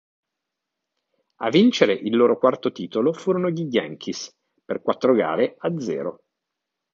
A vincere il loro quarto titolo furono gli Yankees per quattro gare a zero.